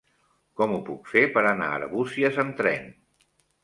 Com ho puc fer per anar a Arbúcies amb tren?